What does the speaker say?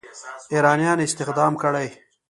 ایرانیان استخدام کړي.